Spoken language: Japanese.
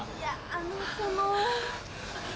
「あのその」